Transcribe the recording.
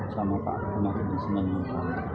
sama pak pembakar dan senyum pembangunan